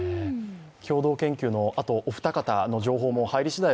共同研究の後、お二方の情報も入りしだい